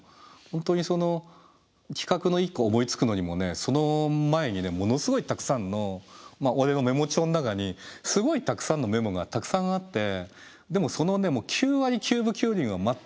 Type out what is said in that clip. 本当にその企画の一個思いつくのにもその前にものすごいたくさんの俺のメモ帳の中にすごいたくさんのメモがたくさんあってでもその９割９分９厘は全く使われないもんなのよね。